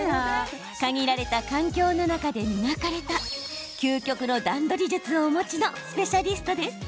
限られた環境の中で磨かれた究極の段取り術をお持ちのスペシャリストです。